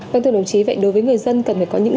vâng thưa đồng chí vậy đối với người dân cần phải có những